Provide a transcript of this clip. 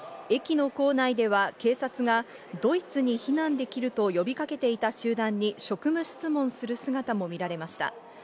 駅の構内では警察がドイツで避難できると呼びかけていた集団に職務質問する姿も見られました。